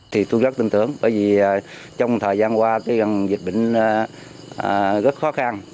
thì tôi rất tin tưởng bởi vì trong thời gian qua dịch bệnh rất khó khăn